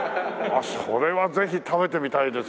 それはぜひ食べてみたいですね。